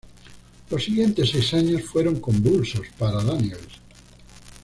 Los siguientes seis años fueron convulsos para Daniels.